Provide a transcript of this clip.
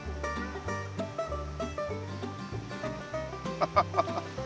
ハハハハ。